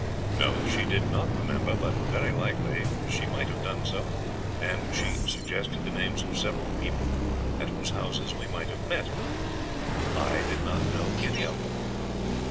No, she did not remember, but very likely she might have done so, and she suggested the names of several people at whose houses we might have met. I did not know any of them.